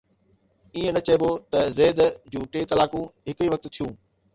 ائين نه چئبو ته زيد جون ٽي طلاقون هڪ ئي وقت ٿيون